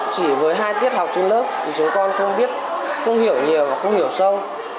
chỉ với hai tiết học trên lớp thì chúng con không biết không hiểu nhiều và không hiểu sâu